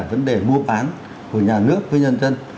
vấn đề mua bán của nhà nước với nhân dân